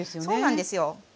そうなんですよ。